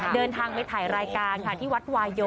เดินทางไปถ่ายรายการค่ะที่วัดวายโย